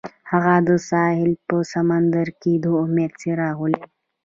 هغه د ساحل په سمندر کې د امید څراغ ولید.